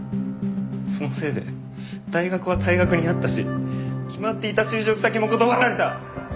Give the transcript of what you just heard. そのせいで大学は退学になったし決まっていた就職先も断られた。